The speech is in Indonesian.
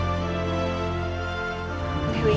aku akan tetap mencari diri